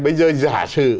bây giờ giả sử